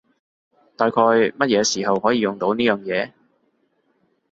大概乜嘢時候可以用到呢樣嘢？